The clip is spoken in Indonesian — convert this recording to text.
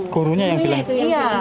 gurunya yang bilang gitu